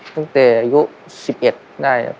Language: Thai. ตั้งแต่อายุสิบเอ็ดได้ครับ